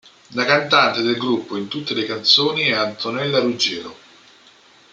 La cantante del gruppo in tutte le canzoni è Antonella Ruggiero.